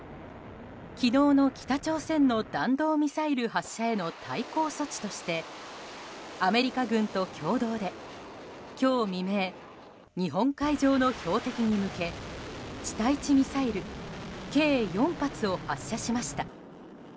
昨日の北朝鮮の弾道ミサイル発射への対抗措置としてアメリカ軍と共同で今日未明日本海上の標的に向け地対地ミサイル計４発を発射しました。